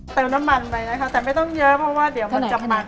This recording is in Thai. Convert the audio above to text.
เติมน้ำมันไปนะคะแต่ไม่ต้องเยอะเพราะว่าเดี๋ยวมันจะมัน